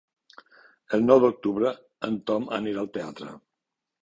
El nou d'octubre en Tom anirà al teatre.